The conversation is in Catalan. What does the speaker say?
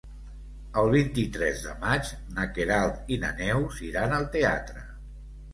El vint-i-tres de maig na Queralt i na Neus iran al teatre.